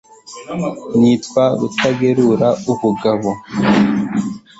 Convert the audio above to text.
nitwa Rutagerura ubugabo